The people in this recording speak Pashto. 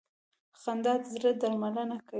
• خندا د زړه درملنه کوي.